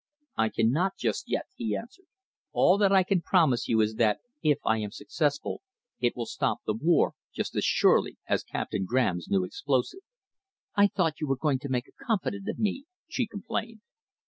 "I cannot just yet," he answered. "All that I can promise you is that, if I am successful, it will stop the war just as surely as Captain Graham's new explosive." "I thought you were going to make a confidante of me," she complained.